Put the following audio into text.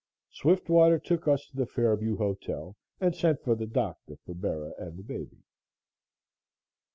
Swiftwater took us to the Fairview Hotel and sent for the doctor for Bera and the baby.